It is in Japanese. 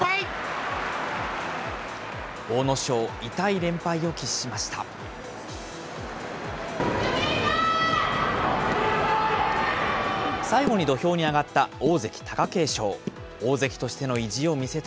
阿武咲、痛い連敗を喫しました。